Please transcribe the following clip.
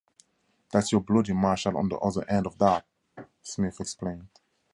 "That's your bloody marshal on the other end of that," Smith explained.